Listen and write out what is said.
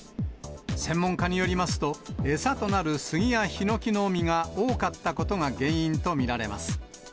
専門家によりますと、餌となるスギやヒノキの実が多かったことが原因と見られます。